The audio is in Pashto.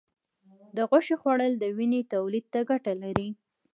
د غوښې خوړل د وینې تولید ته ګټه لري.